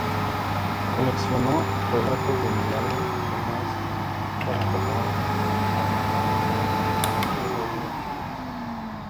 Coleccionó relatos de milagros que más tarde pasó a amigo Gregorio de Tours.